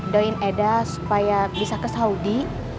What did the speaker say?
doin eda supaya bisa ke saudi